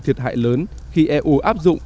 thiệt hại lớn khi eu áp dụng